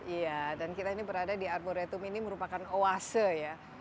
iya dan kita ini berada di arboretum ini merupakan oase ya